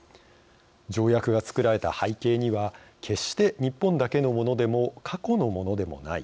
条約がつくられた背景には決して日本だけのものでも過去のものでもない